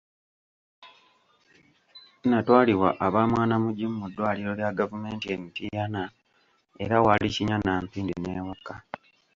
Nnatwalibwa aba "Mwanamugimu" mu ddwaliro lya Gavumenti e Mityana era nga waali kinnya na mpindi n'ewaka.